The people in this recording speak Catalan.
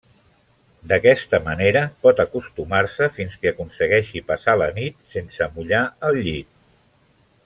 D'aquesta manera pot acostumar-se fins que aconsegueixi passar la nit sense mullar el llit.